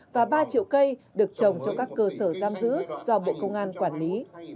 và ba triệu cây được trồng cho các cơ sở giam giữ do bộ công an quản lý